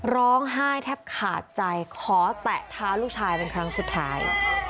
ร้องไห้แทบขาดใจขอแตะเท้าลูกชายเป็นครั้งสุดท้าย